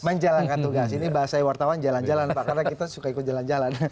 menjalankan tugas ini bahasa iwartawan jalan jalan pak karena kita suka ikut jalan jalan